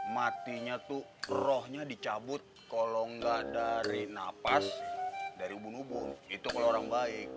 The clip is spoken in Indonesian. matinya tuh rohnya dicabut kalau enggak dari napas dari ubun ubun itu kalau orang baik